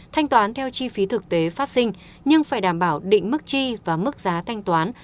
thanh toán theo chi phí thực tế phát sinh nhưng phải đảm bảo định mức chi và mức giá thanh toán